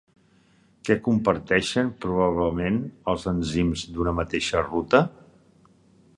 Què comparteixen probablement els enzims d'una mateixa ruta?